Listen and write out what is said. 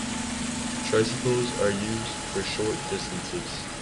Tricycles are used for short distances.